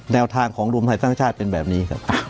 แนวทางของรวมไทยสร้างชาติเป็นแบบนี้ครับ